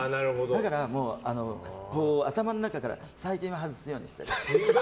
だから、頭の中から最近は外すようにしてる。